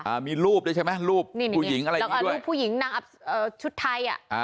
อ่ามีรูปด้วยใช่ไหมรูปผู้หญิงอะไรอย่างงี้ด้วยรูปผู้หญิงนักชุดไทยอ่ะ